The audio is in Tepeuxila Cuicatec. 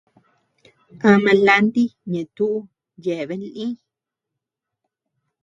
Ama lanti ñeʼe túʼu yeabean lï.